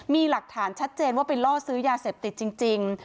มีหลักฐานชัดเจนว่าไปล่อซื้อยาเสพติดจริง